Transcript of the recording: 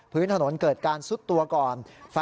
พื้นถนนเกิดการซุดตัวก่อน